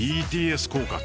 ＢＴＳ効果。